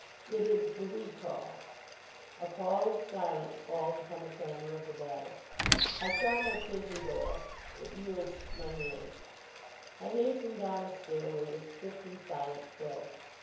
It is "the recall." A pall of silence falls upon the clamor of the battle. I try my 134 TIIK r.ATTLE OF ARDMORE prison door. It yields to my hand. I has ten down a stairway with swift and silent tread.